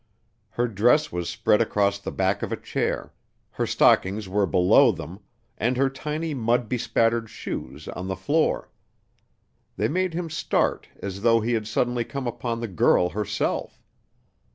Her dress was spread across the back of a chair, her stockings were below them, and her tiny mud bespattered shoes on the floor. They made him start as though he had suddenly come upon the girl herself.